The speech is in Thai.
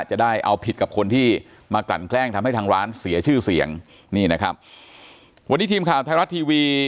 จะได้เอาผิดกับคนที่มากลั่นแกล้งทำให้ทางร้านเสียชื่อเสียงนี่นะครับวันนี้ทีมข่าวไทยรัฐทีวี